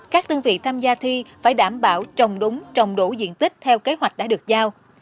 các đơn vị tham gia thi phải đảm bảo trồng đúng trồng đủ diện tích theo kế hoạch đã được giao